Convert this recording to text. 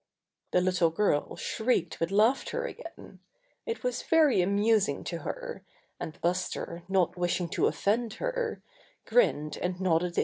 The little girl shrieked with laughter again. It was very amusing to her, and Buster, not wishing to offend her, grinned and nodded his rV " ^0 V\>|'' " /y!